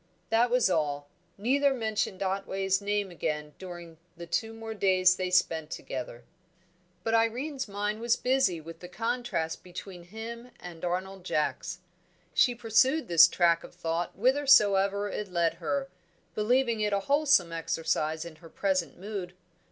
That was all. Neither mentioned Otway's name again during the two more days they spent together. But Irene's mind was busy with the contrast between him and Arnold Jacks. She pursued this track of thought whithersoever it led her, believing it a wholesome exercise in her present mood.